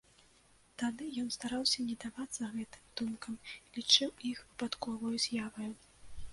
Тады ён стараўся не давацца гэтым думкам, лічыў іх выпадковаю з'яваю.